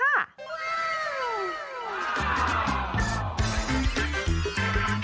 ว้าว